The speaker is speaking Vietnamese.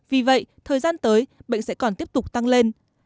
vì vậy thời gian tới bệnh sẽ còn tiếp tục tăng lên